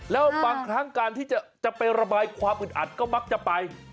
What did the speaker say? แล้วบางครั้งการที่จะไประบายความอึดอัดก็มักจะไป